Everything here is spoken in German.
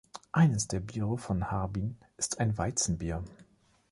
Eines der Biere von Harbin ist ein Weizenbier.